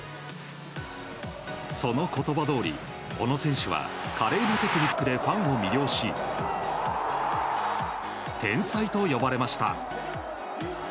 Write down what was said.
その言葉どおり小野選手は華麗なテクニックでファンを魅了し天才と呼ばれました。